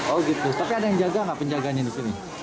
oh gitu tapi ada yang jaga nggak penjagaannya di sini